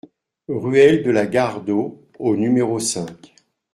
Ruelle de la Gare d'Eau au numéro cinq